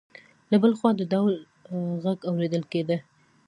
له بل خوا د ډول غږ اوریدل کېده.